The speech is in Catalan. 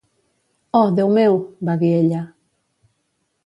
"Oh, Déu meu!", va dir ella.